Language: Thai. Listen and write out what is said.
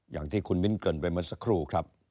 อย่างที่คุณมิ้นเกินไปเมื่อสักครู่ครับ